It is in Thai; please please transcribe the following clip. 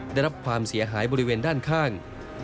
ได้รับความเสียหายบริเวณด้านข้าง